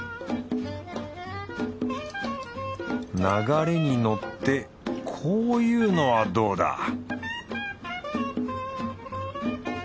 流れに乗ってこういうのはどうだ？